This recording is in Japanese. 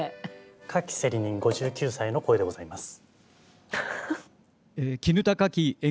花きセリ人５９歳の声でございます。